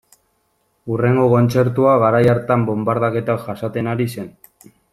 Hurrengo kontzertua garai hartan bonbardaketak jasaten ari zen.